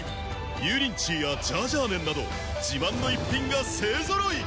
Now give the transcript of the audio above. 油淋鶏やジャージャー麺など自慢の逸品が勢揃い！